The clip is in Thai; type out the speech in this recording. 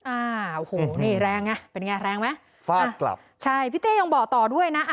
อ้าวโอ้โหนี่แรงไงเป็นไงแรงไหมฟาดกลับใช่พี่เต้ยังบอกต่อด้วยนะ